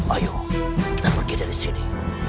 ayo kita pergi dari sini